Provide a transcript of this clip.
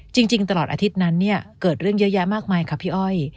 จริงตลอดอาทิตย์นั้นเนี่ยเกิดเรื่องเยอะแยะมากมายค่ะพี่อ้อย